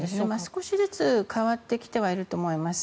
少しずつ変わってきてはいると思います。